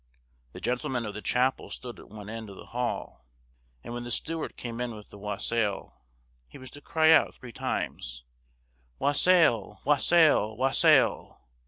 The gentlemen of the chapel stood at one end of the hall, and when the steward came in with the wassail, he was to cry out three times, "Wassail, wassail, wassail!"